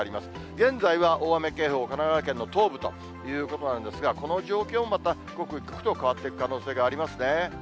現在は大雨警報、神奈川県の東部ということなんですが、この状況もまた刻一刻と変わっていく可能性がありますね。